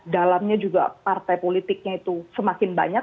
dalamnya juga partai politiknya itu semakin banyak